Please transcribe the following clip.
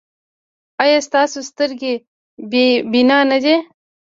ایا ستاسو سترګې بینا نه دي؟